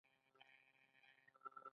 هغه مزد چې مخکې یې اخیست ورباندې بندېږي